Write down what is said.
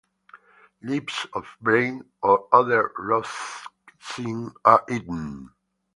Leaves of bramble or other Rosaceae are eaten.